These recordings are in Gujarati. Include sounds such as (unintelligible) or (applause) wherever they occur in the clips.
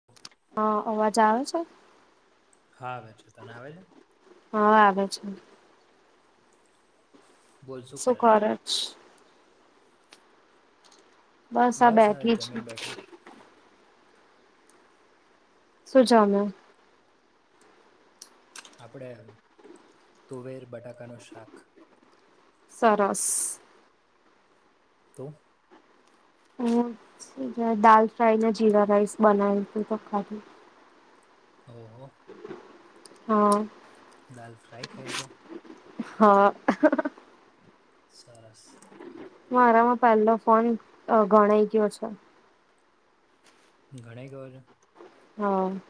(inaudible) હા અવાજ આવે છે. હા વ છેો તને આવે છે. હા આવે છે. શું કર છે. બસ આ બેઠી છું. શું જમ્યા. આપણે તુવેર બટાકાનું શાક. સરસ. તું. હ દાલ ફ્રાય ને જીરા રાઈસ બનાવે છે તો ખાધું. ઓહ. હા. દાલ ફ્રાય ખાય છે. હા. સરસ. મારામાં પહેલો ફોન ગણાઈ ગયો છે ઘણી ઘર હમ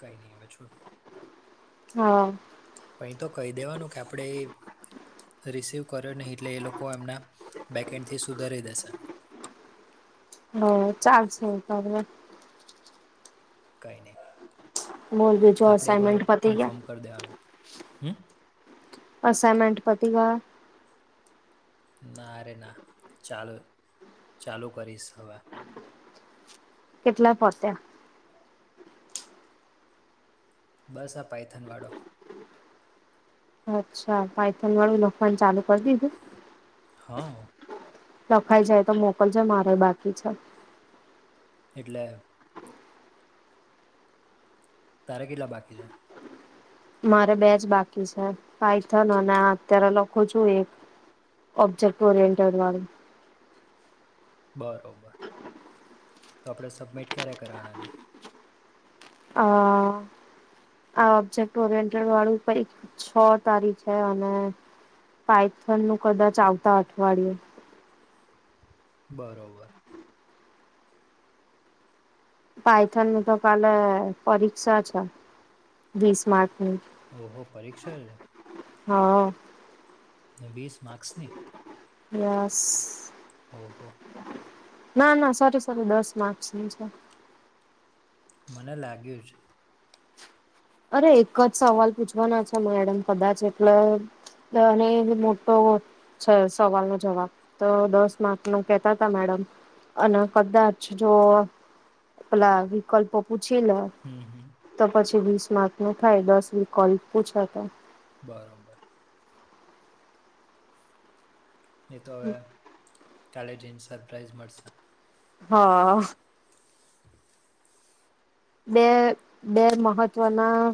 કઈ નહી હવે છોટ. હા. પણહીં તો કહી દેવાનું કે આપણે એ. રિસીવ કર્યો નહીં એટલે એ લોકો એમના બેકેન્ડથી સુધારી દેશે. હ ચાલ છે ત. કઈ નહી બોલ બીજું આપણેે એક વાર અસાઇનમેન્ટ પતી ગયા ઇન્ફોર્મ કરી દેવાનું હમ. અસાનમન્ટ પતિ ગ. નારે ના ચાલું ચાલુ કરીશ હવે. કેટલા પહોચ્યા. બસા પાયથનવાળો અચ્છા પાાયથન વાળું લોખવાડ ચાલુ કરી દીધું. હા. લખાઈ જાય તો મોકલજો મારે બાકી છે. એટલે તારે કિલ્લા બાકી છે? મારે બે જ બાકી છે, પાય થ અને અત્યારે લખું છું એક. Object ઓરએન્ટ madam. બરાબર, તો આપણે સબમિટ ક્યારે કરવાના છે? અ આ ઓબ્જેક્ટ ઓરયન્ટડ વાળું છ તારી છે અને. પાાયથન નું કદાચ આવતા અઠવાડિયે. બરાબર. પાાયથન તો કલે પરીક્ષા છે, વીસ માર્કની. ઓહ પરીક્ષા છે. હા. ને વીસ માર્ક્સને? હાસ. ઓહો. ના ના સારું સારું દસ માર્ની છે. મને લાગ્યું છે. અરે એક જ સવાલ પૂછવાના છે મેડમ કદાચ એટલે દને મોટો હો સવાલ નો જવાબ તો દસ માર્ક નો કેતા ત મેડમ. અને કદાચ જો, પેલા વિકલ્પો પૂછી લે. હમ હમ. તો પછી વીસ માર્ક ન થાય દસ વી કોલ પૂછા તો. બરાબર. એ તો હવે, કાલે જઈને સરપ્રાાઈઝ મળશે. હા. બે બે મહત્વના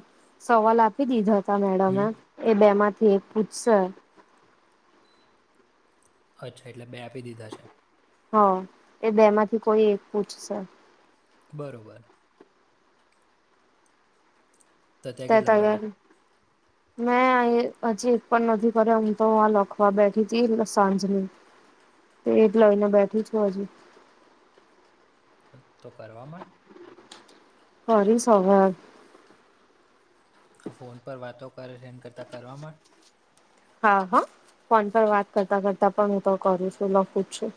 સવાલ આપી દીધા હતા મેડમે. હમ એ બે માંથી એક પૂછસ. અચ્છા એટલે બે આપી દીધા છે. હ, એ બે માંથી કોઈ એક પૂછશે. બરોબર. તો ત્યાં ત કેટલા તય (unintelligible) કર્યા મેં હજી એક પણ નથી કર્યો હમ તો લખવા બેઠી ત સાંજની. એ જ લઈને બેઠી છું હજે. તો કરવા મળ. કરીસ સવા. હ ફોન પર વાતો કરે એેડ કરતા કરવામાં હા હા ફોન પર વાત કરતા કરતા પણ હું તો કરું છું લખું છું.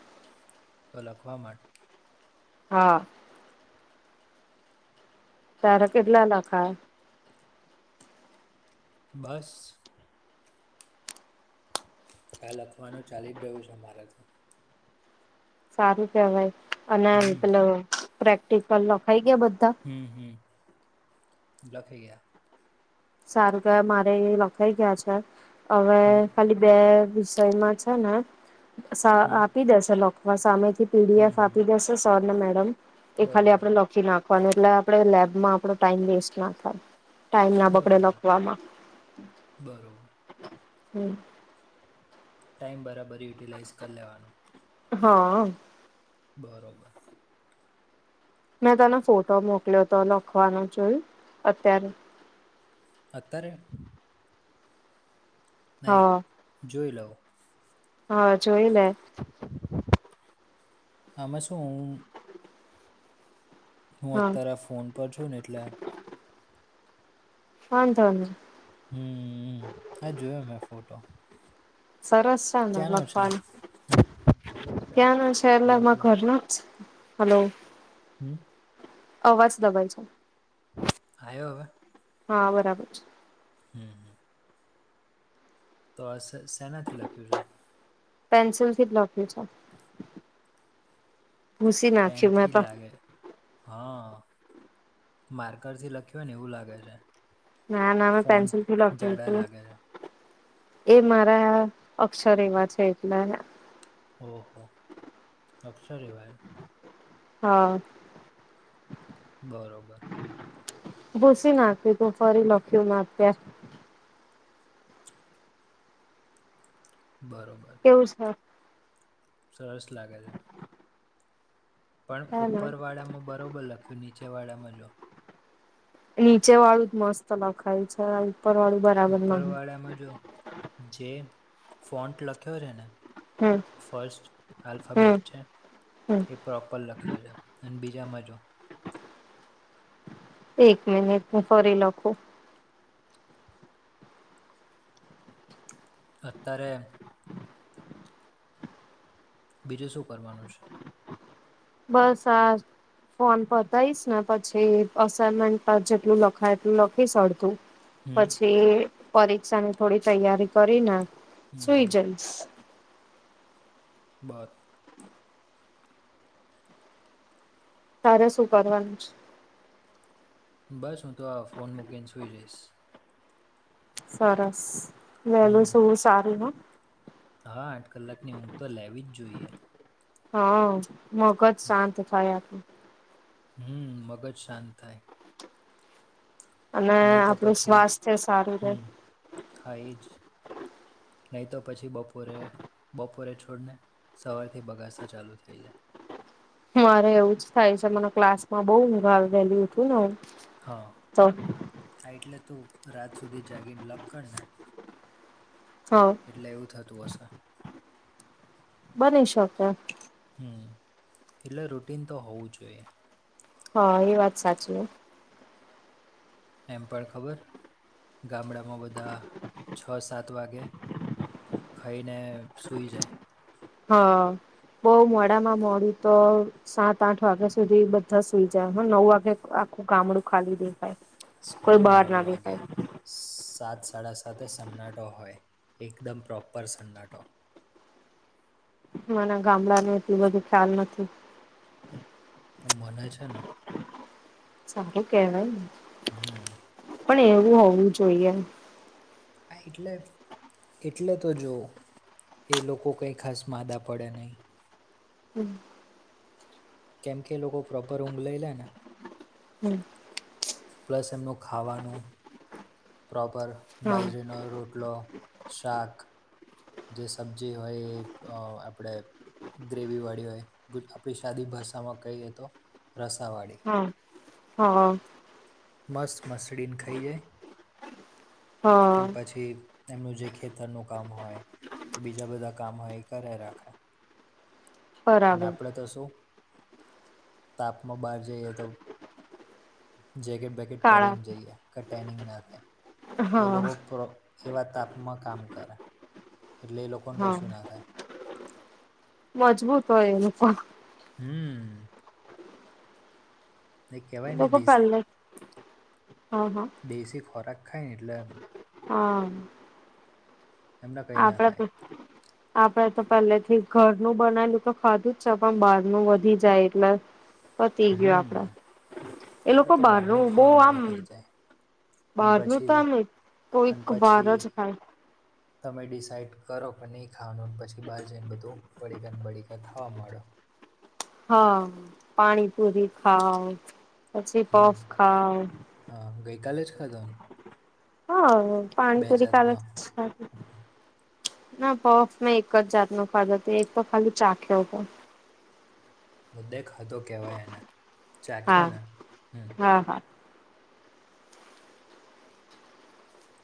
તો લખવા માંડ. હા. તારા કેટલા લાખા? બસ. ખ્યા લખવાનું ચાલી જ રહ્યું છે મારે તો. સારું કેવાય અને હમ મતલબ પ્રેક્ટિકલ લખાઈ ગયા બધા? હમ હમ, લખી ગયા. સારું કે મારે લખાઈ ગયા છે, હવે હમ ખાલી બે વિષયમાં છે ને, હમ આપી દેશેકમાં સામે થી. હમ પીડીએફ હમ આપી દેશે સો મેડમ, એ ખાલી બરોબર આપણે નાખવાનું એટલે આપે લેબમાં આપો ટાઈમ વેસ્ટ ના થાય, ટ આપણે બરોબર લખલામાં, બરોબર હમ. ટાઈમ બરાબર યુટિલાઇઝ કરી લેવાનો. હા. બરોબર. મેં તનો ફોટો મોકલ્યો હતો લખવાનો જોયુ અત્યારે. અતારે. નહી હા જોઈ લવ. હા જોઈ લે. આમાં શું હું. હું હા અત્યારે ફોન પર છું ને એટલે. વાંધોની. હમ હા જોયો મેં ફોટો. સરસ છે ને ક્યાંનો છે લખવાનું. સરસ છે લખ ત્યાં નું છે એટલે માર લખ ઘર નું જ હલો. હમ. અવાજ દબાઈ છે. આયો હવે. હા બરાબર છે. હમ. હમ તો આ શેનાથી લખ્યું છે. પેન્સિલ થી જ લખ્યું છે ભૂસી નાખ્યું મેં પણ. હ માર્કર થી લખ્યું હોય ને એવું લાગે છે. ના ના મેં ફોન્ટ પેન્સિલથી લખ્યું જાડા હતું. લાગે છે એ મારા અક્ષર એવા છે એટલા. ઓહો અક્ષર એવા એમ. હા. બરોબર. ભૂસી નાખ્યું તું ફરી લખ્યું મેં અત્યાર. બરોબર. શુ છે. સરસ લાગે છે. પણ હે ને ઉપર વાળામાં બરોબર લખ્યું નીચે વાળામાં જો. નીચે વાળું જ મસ્ત લખાયુ છે ઉપર વાળું બ. ઉપરવાળામાં જો જે ફોન્ટ લખ્યો છે ને. હમ. ફર્સ્ટ હમ આલ્ફાબેટ છે. હમ. એ પ્રોપર લખ્યો છે અને બીજા મા જો. એક મિનિટ હું ફરી લખું. અતારે. બીજું શું કરવાનું છે. બસ આજ. ફોન પતાઈશ ને પછી એસાઈમેન્ટ પર જેટલું લખાય એટલું લખીશ અડધું. હમ, પછી પરીક્ષાની થોડી તૈયારી કરીને હમ, સુઈ હમ. જઈશ. બરોબર. તારે શું કરવાનું છે. બસ હું તો આ ફોન મૂકીને સુઈ જઈશ. સરસ વહેલું હમ. સૂવું સારું હો. હા આઠ કલાકની ઊંઘ તો લેવી જ જોઈએ. હા મગજ શાંત થાય આપણૂં. હમ્મ મગજ શાંત થાય. અને નહી તો આપણું પછી સ્વાસ્થ્ય સારું રે હમમ. હા એજ નહીં તો પછી બપોરે, બપોરે છોડને સવારથી બગાસાં ચાલુ થઈ જાય. મારે એવું જ થાય છે મને ક્લાસ માં બઉ ઊંઘ આવે વહેલી ઉઠું ને હું હા તો આ એટલે તું રાત સુધી જાગીને લખ કર ને. હા. એટલે એવું થતું હશે. બની શકે. હમમ એટલે રૂટીન તો હોવું જોઈએ. હા એ વાત સાચી હે. એમ પણ ખબર ગામડામાં બધા છ, સાત વાગે ખઈને સુઈ જાય. હા બો મોડામાં મોડું તો સાત, આઠ વાગ્યા સુધી બધા સુઈ જાય હા નવ વાગે આખું ગામડું ખાલી દેખાય. કોઈ બહાર ના દેખાય. સ સ સાત સાડા સાતે સન્નાટો હોય એકદમ પ્રોપર સન્નાટો. મને ગામડા નો એટલું બધું ખ્યાલ નથી. મને છે ને સારું કેવાય એમ. હમમ. પણ એવું હોવું જોઈએ. હા એટલે એટલે તો જોઓ એ લોકો કંઈ ખાસ માદા પડે નહીં. હમમ. કેમ કે એ લોકો પ્રોપર ઊંઘ લઈ લે ને. હમમ. પ્લસ એમનું ખાવાનું પ્રોપર હા બાજરીનો રોટલો શાક જે સબ્જી હોય એ અ આપણેે ગ્રેવી વાળી હોય ગૂજ આપણી સાદી ભાષામાં કહીએ તો રસાવાડી હા હા. મસ્ત મસડીને ખઈએ હા અને પછી એમનું જે ખેતરનું કામ હોય કે બીજા બધા કામ હોય એ કરયા રાખે. અને બરાબર આપણે તો શું તાપમાં બહાર જઈએ તો જેકેટ બેેકેટ કાળા પહેરીને જઈએ. કે ટેનિગ ના થાય એ હા લોકો એવા તાપમાં કામ કરે. એટલે એ લોકોને હા કશું ના થાય. મજબૂત હોય એ લોકો હમમ. એ કેહેવાય ને લોકો પહેલે દેશી હા હા દેશી ખોરાક ખાય ને એટલે હા. એમને કંઈ ના આપડા થાય તો આપડે તો પહેલેથી ઘરનું બનાયલું તો ખાધું જ છે પણ બહાર નું વધી જાય એટલે પતી ગીયુ હમ આપડે એ આપણે લોકો તો બહારનું બો ખાવાનું બહુ આમ થઈ જાય અને બારનું તો પછી આમ કોઈક અને વાર પછી જ ખાય. તમે ડિસાઈડ કરો કે નય ખાવાનું પછી બહાર જઈને બધું પડીકાને બળીકા ખાવા માંડો. હા પાણીપુરી ખાવ પછી હમ પફ ખાવ. હા ગઈકાલે જ ખાધા ને. હા બે પાણીપુરી તો કાલે જ જાતનો ખાધી. ના બફ મેં એક જ જાતનું ખાધ હતું એક તો ખાલી ચાખ્યો પણ. મુદ્દે ખધો કહેવાય એને ચાખ્યો હા ને હમ. હા હા.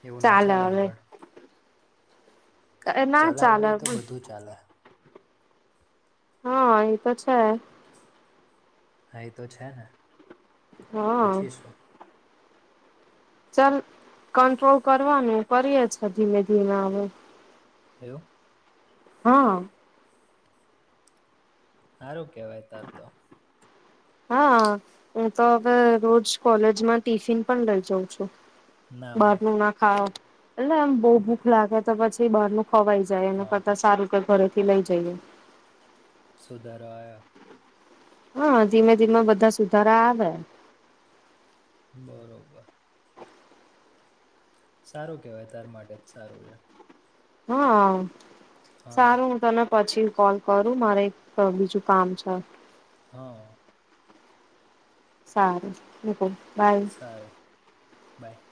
એવું ના ચાલે ચાલન હવે. પણ. ના ચલાવવું ચાલે હોય તો પણ બધું ચાલે. હા એ તો છે. હા એ તો છે ને. હા. પછી શું? ચાલ કંટ્રોલ કરવાનું કરીે છે ધીમે ધીમે આવે. થવું. હા. સારું કેવાય તાર તો. હા હું તો હવે રોજ કોલેજમાં ટિફિન પણ લઈ જાઉં છું. ના બહાર હોય. ન ના ખાઓ એટલે એમ બહુ ભૂખ લાગે તો પછી બહાર ન ખવાય. જાયને હં હં. પતા સારું કે ઘરેથી લઈ જઈએ. સુધારાયા. હા ધીમે ધીમે બધા સુધારા આવે. બરોબર. સારું કેવાય તાર માટે જ સારું છે. હા હં સારું હું તને. પછી કોલ કરું મારે એક બીજું કામ છે. હા. સારું. હ બાય. સારું બાય.